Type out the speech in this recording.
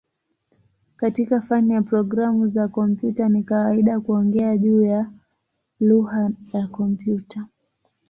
Katika fani ya programu za kompyuta ni kawaida kuongea juu ya "lugha ya kompyuta".